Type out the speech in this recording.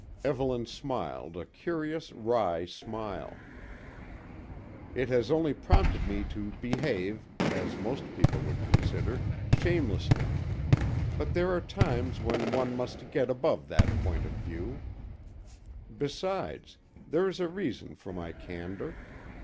Evelyn smiled a curious wry smile. "It has only prompted me to behave, as most people would consider, shamelessly; but there are times when one must get above that point of view. Besides, there's a reason for my candour.